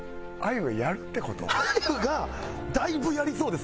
あゆがだいぶやりそうです